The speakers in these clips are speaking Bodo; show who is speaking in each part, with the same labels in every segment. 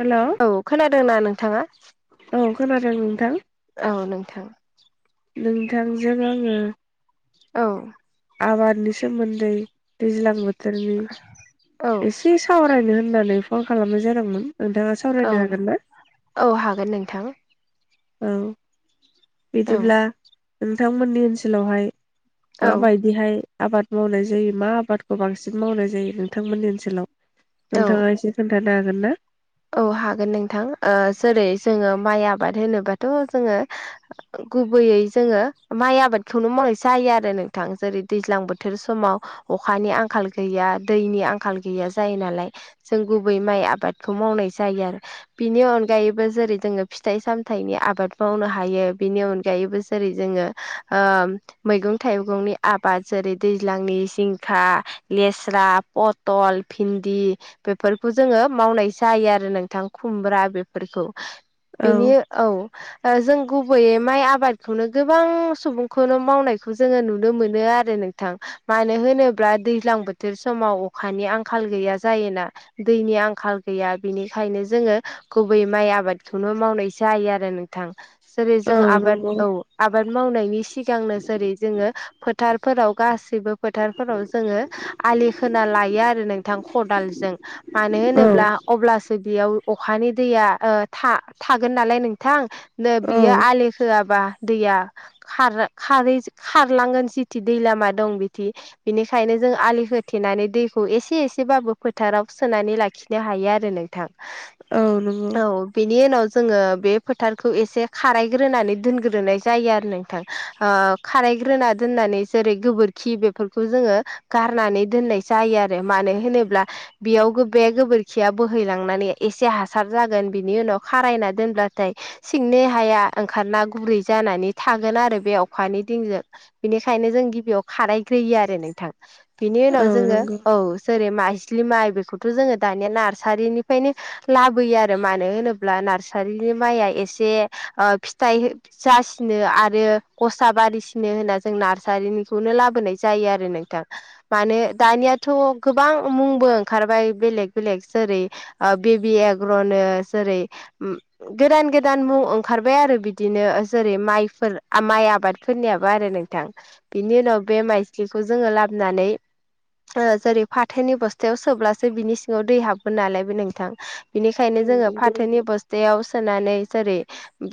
Speaker 1: हेल'
Speaker 2: औ खोनादों ना नोंथाङा
Speaker 1: औ खोनादों नोंथां
Speaker 2: औ नोंथां
Speaker 1: नोंथांजों आङो
Speaker 2: औ
Speaker 1: आबादनि सोमोन्दै दैज्लां बोथोरनि
Speaker 2: औ
Speaker 1: एसे एसे सावरायनो होननानै फन खालामनाय जादोंमोन नोंथाङा स
Speaker 2: औ
Speaker 1: सावरायनो हागोन ना
Speaker 2: औ हागोन नोंथां
Speaker 1: ओं
Speaker 2: औ
Speaker 1: बिदिब्ला नोंथांमोननि ओनसोलावहाय
Speaker 2: औ
Speaker 1: माबाय बेहाय आबाद मावनाय जायो मा आबादखौ बांसिन मावनाय जायो नोंथांमोननि ओनसोलाव?
Speaker 2: औ
Speaker 1: नोंथाङा एसे खोन्थानो हागोन ना
Speaker 2: औ हागोन नोंथां ओ जेरै जोङो माइ आबाद होनोबाथ' जोङो गुबैयै जोङो माइ आबादखौनो मावनाय जायो आरो नोंथां जेरै दैज्लां बोथोर समाव अखानि आंखाल गैया दैनि आंखाल गैया जायो नालाय जों गुबै माइ आबाद खौ मावनाय जायो आरो बिनि अनगायैबो जेरै जोङो फिथाइ सामथाइनि आबाद मावनो हायो बिनि अनगायैबो जेरै जोङो ओ मैगं थाइगंनि आबाद जेरै दैज्लांनि जिंखा लेस्रा पथल भिन्दि बेफोरखौ जोङो मावनायसै जायो आरो नोंथां खुमब्रा बेफोरखौ
Speaker 1: औ
Speaker 2: बेनि औ ओ जों गुबैयै माइ आबादखौनो गोबां सुबुंखौनो मावनायखौ जोङो नुनो मोनो आरो आरो नोंथां मानो होनोब्ला दैज्लां बोथोर समाव अखानि आंखाल गैया जायोना दैनि आंखाल गैया बिनिखायनो जोङो गुबै माइ आबादखौनो मावनाय जायो आरो नोंथां जेरै
Speaker 1: औ
Speaker 2: जों आबाद
Speaker 1: नंगौ
Speaker 2: औ आबाद मावनायनि सिगांनो जेरै जोङो फोथारफोराव गासैबो फोथारफोराव जोङो आलि खोना लायो आरो नोंथां खदालजों मानो‌
Speaker 1: औ
Speaker 2: होनोब्ला अब्लासो बियो बेयाव अखानि दैया ओ थ थागोन नालाय नोंथां नै
Speaker 1: औ
Speaker 2: बियो आलि होआबा दैया खार खारै खारलांगोन जिथि दै लामा दं बिथि बिनिखायनो जों आलि होथेनानै दैखौ एसे एसेबाबो फोथाराव सोनानै लाखिनो हायो आरो आरो नोंथां
Speaker 1: औ नोंगौ
Speaker 2: औ बेनि उनाव जोङो बे फोथारखौ एसे खारायग्रोनानै दोनग्रोनाय जायो आरो नों थां ओ खारानायग्रोना दोननानै जेरै गोबोरखि बेफोरखौ जोङो गारनानै दोननाय जायो आरो मानो होनोब्ला बेयाव बे गोबोरखिया बोहैलांनानै एसे हास हासार जागोन बिनि उनाव खारायना दोनब्लाथाय सिंनि हाया ओंखारना गुरै जानानै थागोन आरो बे अखानि दैजों बिनिखायनो जों गिबियाव खारायग्रोयो आरो नोंथां बिनि
Speaker 1: औ
Speaker 2: उनाव जोङो
Speaker 1: नंगौ
Speaker 2: औ जेरै माइस्लि माइ बेखौथ' जोङो दानिया नार्सारिनिफ्रायनो लाबोयो आरो मानो होनोब्ला नार्सारिनि माइया एसे ओ फिथाइ जासिनो आरो गस्ला बारिसिनो होनना जों नार्सारिनिखौनो लाबोनाय जायो आरो नोंथां मान दानियाथ' गोबां मुंबो ओंखारबाय बेलेग बेलेक जेरै बेबि एग्र'नो जेरै गोदान गोदान मुं ओंखारबाय आरो बिदिनो जेरै माइफोर माइ आबाद फोरनियाबो आरो नोंथां बिनि उनाव बे माइस्लिखौ जोङो लाबोनानै जेरै फाथोनि बस्थायाव सोब्लासो बिनि सिङाव दै हाबगोन नालाय बे नोंथां बिनिखायनो
Speaker 1: औ
Speaker 2: जोङो
Speaker 1: नंगौ
Speaker 2: फाथोनि
Speaker 1: नोंथां
Speaker 2: बस्थायाव सोनानै जेरै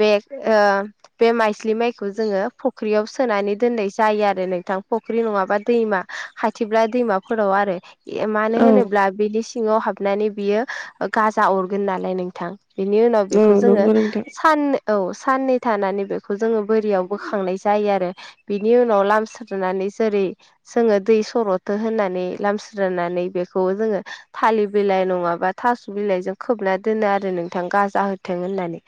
Speaker 2: बे ओ बे माइस्लि माइखौ जोङो फख्रियाव सोनानै दोननाय जायो आरो नोंथां फख्रि नङाबा दैमा खाथिब्ला दैमाफोराव आरो मानो
Speaker 1: औ
Speaker 2: होनोब्ला बिनि सिङाव हाबनानै बियो गाजा अरगोन नालाय नोंथां बेनि उनाव
Speaker 1: औ
Speaker 2: बेखौ जोङो
Speaker 1: नंगौ नोंथां
Speaker 2: सान औ साननै थानानै बेखौ जोङो बोरियाव बोखांनाय जायो आरो बिनि उनाव लाम स्रोनानै जेरै जोङो दै सरथनो होननानै लामस्रोननानै बेखौ जोङो थालिर बिलाइ नङाबा थास' बिलाइजों खोबना दोनो आरो नोंथां गाजा होथों होननानै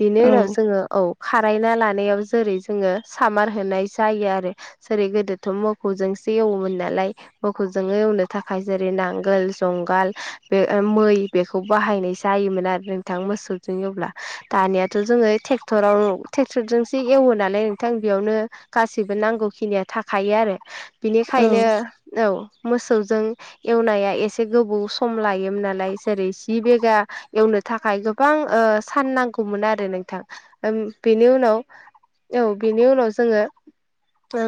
Speaker 2: बिनि
Speaker 1: औ
Speaker 2: उनाव जोङो औ। खारायना लानायाव जेरै जोङो सामार होनाय जायो आरो। जेरै गोदोथ' मोखौजोंसो एवोमोन नालाय। मोखौजोङो एवनो थाखाय जेरै नांगोल, जुंगाल बे मै बेखौ बाहायनाय जायोमोन आरो नोंथां मोसौजों एवब्ला दानियाथ' जोङो ट्रेक्टराव ट्रेक्टरजोंसो एवो नालाय नोंथां बेयावनो गासैबो नांगौखिनिया थाखायो आरो।
Speaker 1: औ
Speaker 2: बिनिखायनो औ मोसौजों एवनाया एसे गोबौ सम लायोमोन नालाय। जेरै सि बेगा एवनो थाखाय गोबां ओ सान नांगौमोन आरो नोंथां। बेनि उनाव औ बिनि उनाव जोङो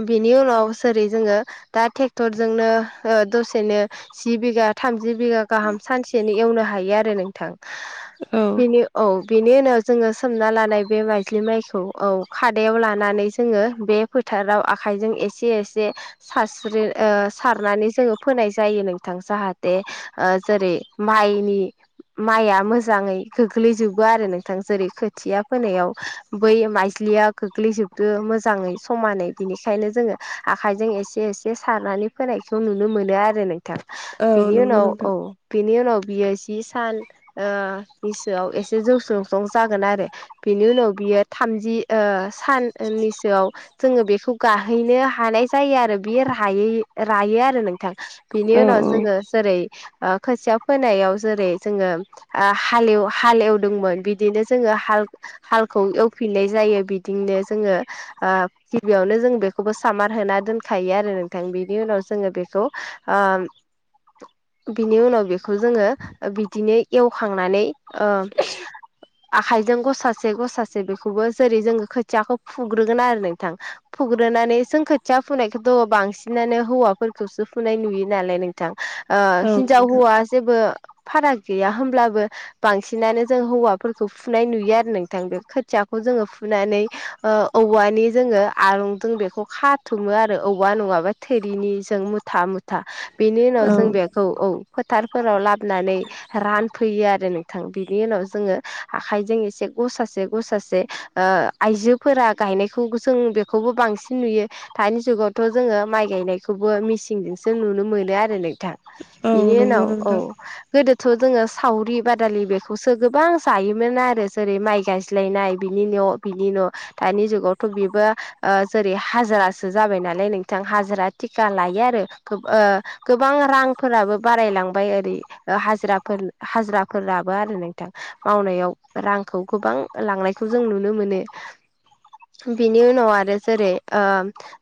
Speaker 2: बिनि उनाव जेरै जोङो दा ट्रेक्टरजोंनो दसेनो जि बिघा थामजि बिगा गाहाम सानसेनो एवनो हायो आरो नोंथां।
Speaker 1: औ
Speaker 2: बिनि औ बिनि उनाव जोङो सोमना लानाय बे माइज्लि माइखौ औ खादायाव लानानै जोङो बे फोथाराव आखाइजों एसे एसे सारस्रि ओ सारनानै जोङो फोनाय जायो नोंथां जाहाथे जेरै माइनि माइआ मोजाङै गोग्लैजोबो आरो नोंथां जेरै खोथिया फोनायाव बै माइज्लिया गोग्लैजोबदो मोजाङै समानै बिनिखायनो जोङो आखाइजों एसे एसे सारनानै होनायखौ नुनो मोनो आरो नोंथां
Speaker 1: औ
Speaker 2: बेनि
Speaker 1: नंगौ
Speaker 2: उनाव
Speaker 1: नोंथां
Speaker 2: औ। बिनि उनाव बियो जि सान ओ बैसोआव एसे जौस्रुं सं जागोन आरो। बेनि उनाव बियो थामजि ओ साननिसोआव जोङो बेखौ गाहैनो हानाय जायो आरो बे राय रायो आरो नोंथां बिनि उनाव
Speaker 1: औ
Speaker 2: जोङो जेरै खोथिया फोनायाव जेरै जोङो हालेव हालेवदोंमोन बिदिनो जोङो हाल हालखौ एवफिननाय जायो बिदिनो जोङो ओ गिबियावनो जों बेखौबो सामार होना दोनखायो आरो नोंथां बिनि उनाव जोङो बेखौ ओ बिनि उनाव बेखौ जोङो बिदिनो एवखांनानै ओ आखाइजों गसासे गसासे बेखौबो जेरै जोङो खोथियाखौ फुग्रोगोन आरो नोंथां। फुग्रोनानै सोंखोथिया फुनायखौ बांसिनानो हौवाफोरखौसो फुनाय नुयो नालाय नों थां ओ हिनजाव
Speaker 1: नोंथां
Speaker 2: हौवा जेबो फाराग गैया होमब्लाबो बांसिनानो जों हौवाफोरखौ फुनाय नुयो आरो नोंथां बे खोथियाखौ जोङो फुनानै ओ औवानि जोङो आलंजों बेखौ खाथुमो आरो औवा नङाबा थोरिनि जों। मुथा मुथा बेनि उनाव
Speaker 1: औ
Speaker 2: जों बेखौ औ फोथारफोराव लाबोनानै रानफैयो आरो नोंथां बिनि उनाव जोङो आखाइजों एसे गसासे गसासे ओ आइजोफोरा गायनायखौ जों बेखौबो बांसिन नुयो। दानि जुगावथ' जोङो माइ गायनायखौबो मिसिनजोंसो नुनो मोनो आरो नोंथां।
Speaker 1: औ
Speaker 2: बिनि
Speaker 1: नंगौ
Speaker 2: उनाव औ।
Speaker 1: नोंथां
Speaker 2: गोदोथ' जोङो सावरि बादालि बेखौसो गोबां जायोमोन आरो जेरै माइ गायज्लायनाय बिनि न' बिनि न'। दानि जुगावथ' बेबो जेरै हाजिरासो जाबाय नालाय नोंथां हाजिरा टिका लायो आरो। ओ गोबां रां फोराबो बारायलांबाय ओरै हाजिराफोर हाजिराफोराबो आरो नोंथां मावनायाव रांखौ गोबां लांनायखौ जों नुनो मोनो। बिनि उनाव आरो जेरै ओ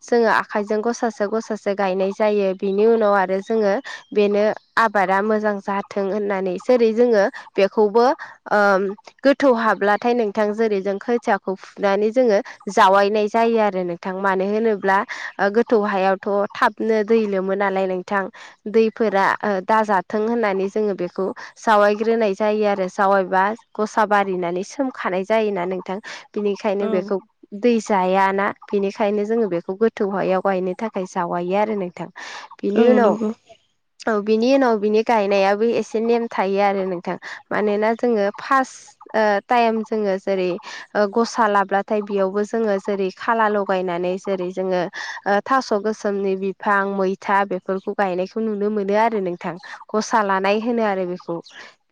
Speaker 2: जोङो आखाइजों गसासे गसासे गायनाय जायो बिनि उनाव आरो जोङो बेनो आबादा मोजां जाथों होननानै जेरै जोङो बेखौबो ओ गोथौ हाब्लाथाय नोंथां जेरै जों खोथियाखौ फुनानै जोङो जावायनाय जायो आरो नोंथां मानो होनोब्ला गोथौ हायावथ' थाब नो दै लोमो नालाय नोंथां दैफोरा दाजाथों होननानै जोङो बेखौ जावायग्रोनाय जायो आरो जावायबा गसा बारिनानै सोमखांनाय जायोना नोंथां। बिनिखायनो
Speaker 1: औ
Speaker 2: बेखौ दै जायाना बेनिखायनो जोङो बेखौ गोथौ हायाव गायनो थाखाय सावायो आरो नोंथां
Speaker 1: औ
Speaker 2: बिनि उनाव
Speaker 1: नंगौ
Speaker 2: औ बिनि उनाव बिनि गायनायाबो एसे नेम थायो आरो नोंथां मानोना जोङो फार्स्ट ओ टाइम जोङो जेरै ओ गसा लाब्लाथाय बेयावबो जोङो जेरै खाला लगायनानै जेरै जोङो ओ थास' गोसोमनि बिफां मैथा बेफोरखौ गायनाय खौ नुनो मोनो आरो नोंथां गसा लानाय होनो आरो बेखौ।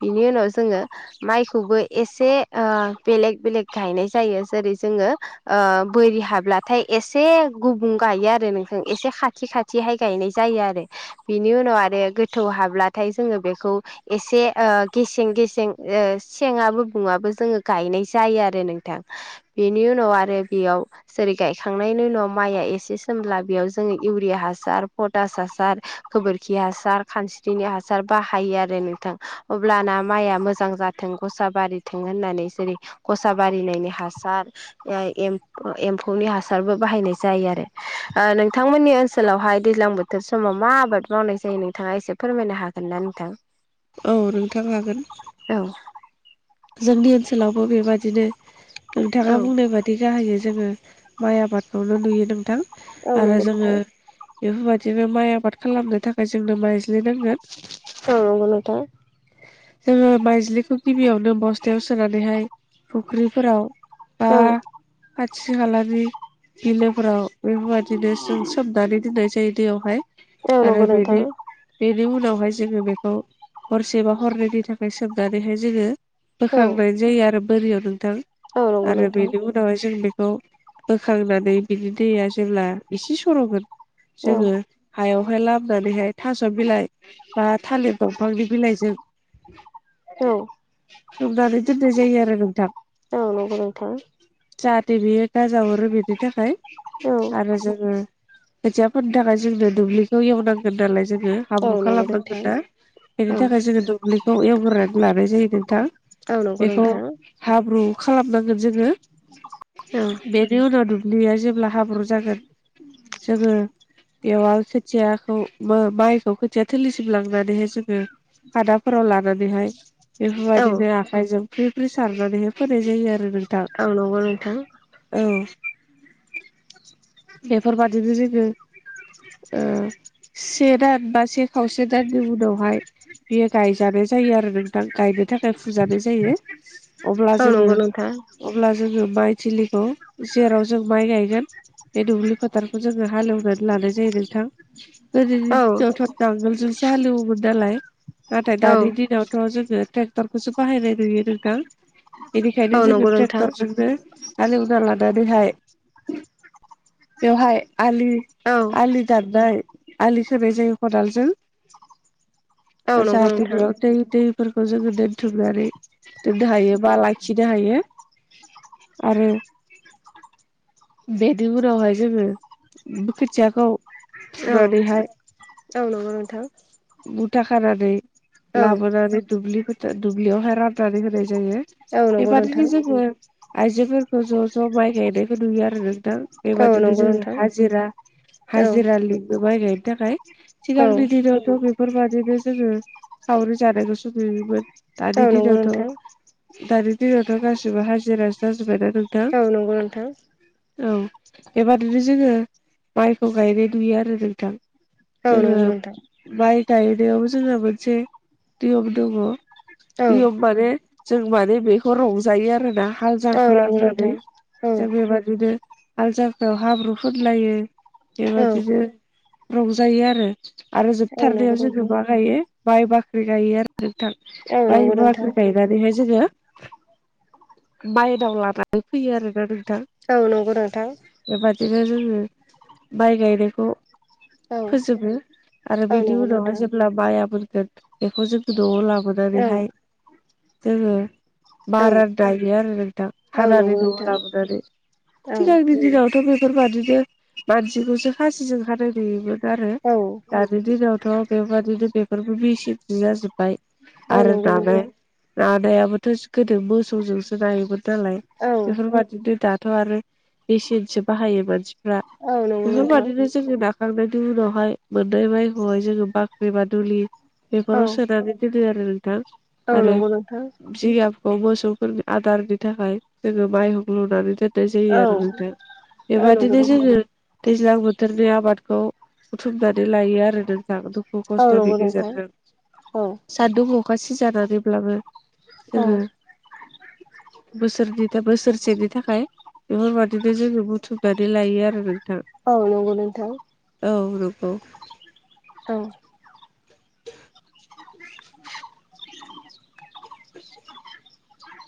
Speaker 2: बिनि उनाव जोङो माइखौबो एसे ओ बेलेग बेलेग गायनाय जायो जेरै जोङो ओ बोरि हाब्लाथाय एसे गुबुं गायो आरो नोंस एसे खाथि खा थिहाय गायनाय जायो आरो बिनि उनाव आरो गोथौ हाब्लाथाय जोङो बेखौ एसे ओ गेसें गेसें ओ सेंङाबो बुङाबो जोङो गायनाय जायो आरो नोंथां। बेनि उनाव आरो बेयाव जेरै गायखांनायनि उनाव माइआ एसे सोमब्ला बेयाव जोङो इउरिया हासार पटास हासार गोबोरखि हासार खानस्रिनि हासार बाहायो आरो नोंथां। अब्लाना माइआ मोजां जाथों गसा बारिथों होननानै जेरै गसा बारिनायनि हासार ओ एम एम्फौनि हासारबो बाहायनाय जायो आरो नोंथांमोननि ओनसोलावहाय दैज्लां बो थोर समाव मा आबाद मावनाय जायो नोंथाङा एसे फोरमायनो हागोन ना नोंथां?
Speaker 1: औ नोंथां हागोन।
Speaker 2: औ
Speaker 1: जोंनि ओनसोलावबो बेबादिनो नोंथाङा बुंनाय बा दि जाहैयो जोङो माइ आबादखौनो नुयो नोंथां
Speaker 2: औ
Speaker 1: आरो
Speaker 2: नंगौ
Speaker 1: जोङो
Speaker 2: नोंथां
Speaker 1: बेफोरबायादिनो माइ आबाद खालामनो थाखाय जोंनो माइज्लिनांगोन।
Speaker 2: औ नंगौ नोंथां
Speaker 1: जोङो माइज्लिखौ गिबियावनो बस्थायाव सोनानैहाय फुख्रिफोराव बा
Speaker 2: औ
Speaker 1: खाथि खालानि बिलोफोराव बेबादिनो जों सोमनानै दोननाय जायो दैयावहाय
Speaker 2: औ
Speaker 1: आरो
Speaker 2: नंगौ नोंथां
Speaker 1: बेनि बेनि उनावहाय जोङो बेखौ हरसे बा हरनैनि थाखाय सोमनानैहाय जोङो
Speaker 2: औ
Speaker 1: बोखांनाय जायो आरो बोरियाव नोंथां
Speaker 2: औ नंगौ
Speaker 1: आरो
Speaker 2: नोंथां
Speaker 1: बेनि उन उनावाय जों बेखौ बोखांनानै बिनि दैया जेब्ला एसे सर'गोन
Speaker 2: औ
Speaker 1: जोङो हायाव हाय लामनानैहाय थास' बिलाइ बा थालिर दंफांनि बिलाइजों
Speaker 2: औ
Speaker 1: खोबनानै दोननाय जायो आरो नोंथां।
Speaker 2: औ नंगौ नोंथां
Speaker 1: जाहाथे बियो गाजा हरो बिनि थाखाय
Speaker 2: औ
Speaker 1: आरो जोङो खोथियाफोरनि थाखाय जोंनो दुब्लिखौ एवनांगोन नालाय जोङो
Speaker 2: औ
Speaker 1: हाब्रु
Speaker 2: नंगौ नोंथां
Speaker 1: खालामनांगोन ना बेनि
Speaker 2: औ
Speaker 1: थाखाय जोङो दुब्लिखौ एवग्रोनानै लानाय जायो। नोंथां
Speaker 2: औ नंगौ
Speaker 1: बेखौ
Speaker 2: नोंथां
Speaker 1: हाब्रु खालामनांगोन जोङो
Speaker 2: औ
Speaker 1: बेनि उनाव दुब्लिया जेब्ला हाब्रु जागोन जोङो बेवा खोथियाखौ माइखौ खोथिया थलिसिम लांनानैहाय जोङो हादाफोराव लानानैहाय बेफोरबाय
Speaker 2: औ
Speaker 1: आखायजों फ्रि फ्रि सारनानैहाय फोनाय जायो आरो नोंथां।
Speaker 2: औ नंगौ नोंथां
Speaker 1: औ। बेफोरबादिनो जोङो ओ
Speaker 2: [inaudible]
Speaker 1: से दान बा से खावसे दाननि उनावहाय बेयो गायजानाय जायो आरो नोंथां गायनो थाखाय फुजानाय जायो‌।
Speaker 2: औ नंगौ नोंथां
Speaker 1: अब्ला जोङो माइ थिलिखौ जेराव जों माइ गायगोन बे दुब्लि फोथारखौ जोङो हालेवनानै लानाय जायो नोंथां गोदोनि
Speaker 2: औ
Speaker 1: दिनावथ' नांगोलजों [unintelligible] दालाय नाथाय
Speaker 2: औ
Speaker 1: दानि दिनावथ' जोङो ट्रेक्टरखौसो बाहायनाय नुयो नोंथां। बेनिखायनो
Speaker 2: औ
Speaker 1: जोङो
Speaker 2: नंगौ नोंथां
Speaker 1: ट्रेक्टरजोंनो हालेवना लानानैहाय बेवहाय आलि
Speaker 2: औ
Speaker 1: आलि दारनाय आलि खोनाय जायो खदालजों।
Speaker 2: औ नंगौ
Speaker 1: जाहाथे
Speaker 2: नोंथां
Speaker 1: बेयाव दै-दैफोरखौ जोङो दोनथुमनानै दोननो हायो बा लाखिनो हायो आरो बेदि उनावहाय जोङो बो खोथियाखौ
Speaker 2: औ
Speaker 1: फुनानैहाय
Speaker 2: औ नंगौ नोंथां।
Speaker 1: मुथा खानानै
Speaker 2: औ
Speaker 1: लाबोनानै दुब्लि फोथा दुब्लियावहाय रान नानै होनाय जायो।
Speaker 2: औ नंगौ नोंथां
Speaker 1: बेबादिनो जोङो आइजोेंफोरखो ज' ज' माइ गायनायखो नुयो आरो नोंथां।
Speaker 2: औ
Speaker 1: बेबादिनो
Speaker 2: नंगौ
Speaker 1: जोङो
Speaker 2: नोंथां
Speaker 1: हाजिरा
Speaker 2: औ
Speaker 1: हाजिरा लिङो माइ गायनो थाखाय।
Speaker 2: औ
Speaker 1: सिगांनि दिनावथ' बे फोरबादिनो जोङो सावरि जानायखौसो नुयोमोन
Speaker 2: औ
Speaker 1: दानि
Speaker 2: नंगौ
Speaker 1: दिनावथ'
Speaker 2: नोंथां
Speaker 1: दानि दिनावथ' गासिबो हाजिरासो जाजोब्बायना नोंथा
Speaker 2: औ नोंगौ नोंथां।
Speaker 1: औ बेबादुरि जोङो माइखौ गायनाय नुयो आरो नोंथां।
Speaker 2: औ
Speaker 1: जोङो
Speaker 2: नंगौ नोंथां
Speaker 1: माइ गायनायाव जोंहा मोनसे नियम दङ।
Speaker 2: औ
Speaker 1: नियम माने जों माने बेखौ रंजायो आरो ना। हाल
Speaker 2: औ
Speaker 1: जांख्रा
Speaker 2: नंगौ नोंथां
Speaker 1: होननानै
Speaker 2: औ
Speaker 1: जों बेबा दिनो आल जांख्रायाव हाब्रु फोनलायो
Speaker 2: औ
Speaker 1: बेबादिनो रंजायो आरो आरो जोबथारनायाव
Speaker 2: नंगौ
Speaker 1: जोङो मा गायो माइ बाख्रि गायो आरो नोंथां। माइ
Speaker 2: नोंथां
Speaker 1: बाख्रि गाय नानैहाय जोङो मायनाव लानानै फैयो आरोना नोंथा
Speaker 2: औ नंगौ नोंथां।
Speaker 1: बेबादिनो जोङो माइ गायनायखौ
Speaker 2: औ
Speaker 1: फोजोबो आरो
Speaker 2: औ
Speaker 1: बेदि
Speaker 2: नंगौ
Speaker 1: उनावहाय
Speaker 2: नोंथां
Speaker 1: जेब्ला बाया मोनगोन बेखौ जोङो न'आव लाबो
Speaker 2: औ
Speaker 1: नानैहाय जोङो
Speaker 2: औ
Speaker 1: मारा दायो आरो नोंथां
Speaker 2: औ
Speaker 1: हानानै
Speaker 2: नंगौ
Speaker 1: न'आव
Speaker 2: नोंथां
Speaker 1: लाबोनानै।
Speaker 2: औ
Speaker 1: सिगांनि दिनावथ' बेफोरबादिनो मानसिखौसो खासिजों हानाय नुयोमोन आरो।
Speaker 2: औ
Speaker 1: दानि दिनावथ' बेबादिनो बेफोरबो मिसिनसो जाजोब्बाय
Speaker 2: औ
Speaker 1: आरो
Speaker 2: नंगौ
Speaker 1: दानाय
Speaker 2: नोंथां
Speaker 1: नायाबोथ'स गोदो मोसौजोंसो नायोमोन नालाय
Speaker 2: औ
Speaker 1: बेफोरबायादिनो दाथ' आरो मेसिनसो बाहायो मानसिफ्रा
Speaker 2: औ नंगौ नोंथां
Speaker 1: बेफोरबादिनो जोङो नाखांनायनि उनावहाय मोननाय माइखौहाय जोङो बाख्रि बा दुलि
Speaker 2: औ
Speaker 1: बेफोराव सोनानै दोनो आरो नोंथां।
Speaker 2: औ
Speaker 1: आरो
Speaker 2: नंगौ नोंथां।
Speaker 1: जिगाबखौ मोसौफोरनो आदारनि थाखाय जोङो माइहुं लुनानै दोन्नाय जायो
Speaker 2: औ
Speaker 1: आरो नोंथां।
Speaker 2: औ नंगौ
Speaker 1: बेबादिनो
Speaker 2: नोंथां
Speaker 1: जोङो दैज्लां बोथोरनि आबादखौ बुथुमनानै लायो आरो नोंथां। दु खु
Speaker 2: औ
Speaker 1: खस्थ'नि
Speaker 2: नंगौ नोंथां
Speaker 1: गेजेरजों
Speaker 2: औ
Speaker 1: सान्दुं अखा सिजा नानैब्लाबो
Speaker 2: औ
Speaker 1: जोङो बोसोरनि था बोसोरसेनि थाखाय बेफोरबायदिनो जोङो बुथुमनानै लायो आरो नोंथां
Speaker 2: औ नंगौ नोंथां
Speaker 1: औ नंगौ
Speaker 2: औ।